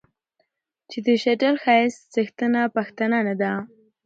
چې د شډل ښايست څښتنه پښتنه نه ده